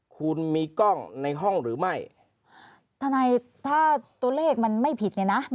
คุณมีกล้องในห้องหรือไม่ทนายถ้าตัวเลขมันไม่ผิดเนี่ยนะ